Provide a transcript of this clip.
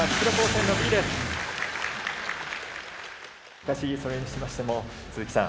しかしそれにしましても鈴木さん